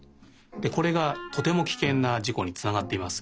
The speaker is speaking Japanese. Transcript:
これがとてもキケンなじこにつながっています。